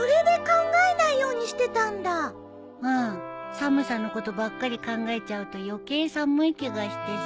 寒さのことばっかり考えちゃうと余計寒い気がしてさ。